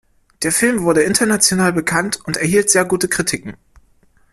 Der Film wurde international bekannt und erhielt sehr gute Kritiken.